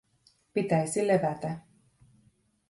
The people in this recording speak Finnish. Pitäisi levätä.